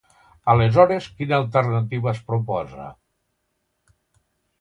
Aleshores quina alternativa es proposa?